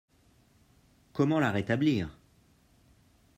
Comment la rétablir?